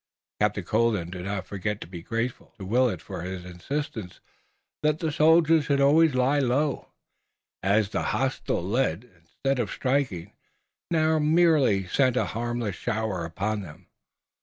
Captain Colden did not forget to be grateful to Willet for his insistence that the soldiers should always lie low, as the hostile lead, instead of striking, now merely sent a harmless shower upon them.